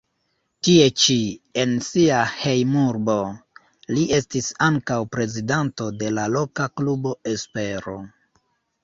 Tie ĉi, en sia hejmurbo, li estis ankaŭ prezidanto de la loka klubo Espero.